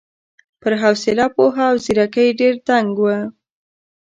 پر حوصله، پوهه او ځېرکۍ ډېر دنګ و.